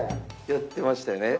やってましたよね。